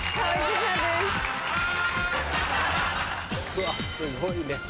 うわすごいね。